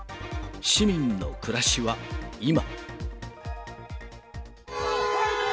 市民の暮らしは今。